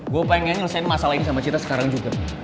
gue pengen selesain masalah ini sama citra sekarang juga